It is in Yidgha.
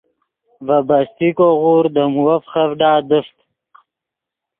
ڤے بستیکو غورد دے مووف فیخڤڈا دیفت